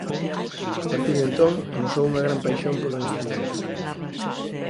A partir de entón amosou unha gran paixón polo instrumento.